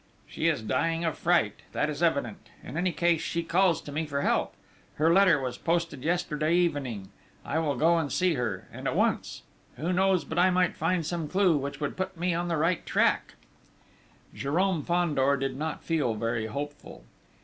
"She is dying of fright! That is evident!... In any case she calls to me for help. Her letter was posted yesterday evening.... I will go and see her and at once.... Who knows but I might find some clue which would put me on the right track?" Jérôme Fandor did not feel very hopeful.